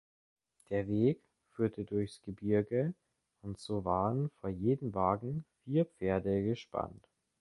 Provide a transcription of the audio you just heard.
Der Weg führte durchs Gebirge und so waren vor jeden Wagen vier Pferde gespannt.